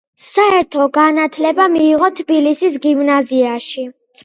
საერთო განათლება მიიღო თბილისის გიმნაზიაში.